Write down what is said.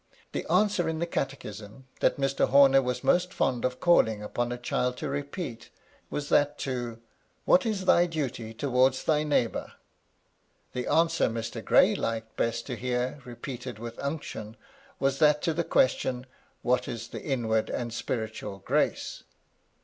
The answer in the catechism that Mr. Homer was most fond of calling upon a child to repeat, was that to, " What is thy duty towards thy neighbour?" The answer Mr. Gray liked best to hear repeated with unction, was that to the question, " What is the inward and spiritual grace